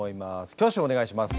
挙手お願いします。